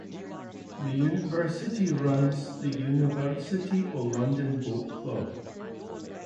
The university runs the University of London Boat Club.